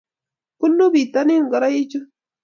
Bunu bitonin ngoroichu